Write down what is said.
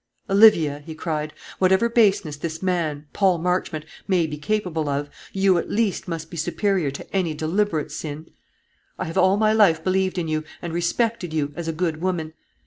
"Olivia," he cried, "whatever baseness this man, Paul Marchmont, may be capable of, you at least must be superior to any deliberate sin. I have all my life believed in you, and respected you, as a good woman.